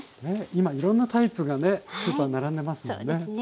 今いろんなタイプがねスーパー並んでますもんね。